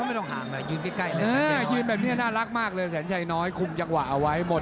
แสนชัยน้อยขึ้นแต่บนาฬักษณ์มากเลยคุ้มจังหวะเอาไว้